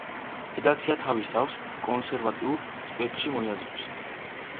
რედაქცია თავის თავს კონსერვატიულ სპექტრში მოიაზრებს.